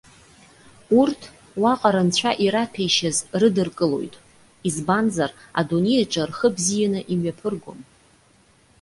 Урҭ, уаҟа рынцәа ираҭәеишьаз рыдыркылоит. Избанзар, адунеиаҿы рхы бзианы имҩаԥыргон.